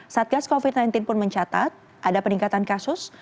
satgas covid sembilan belas pun mencatat ada peningkatan kasus